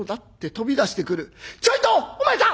「ちょいと！お前さん！」。